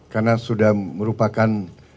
karena sudah merupakan